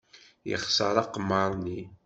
Yexṣer aqemmer-nni.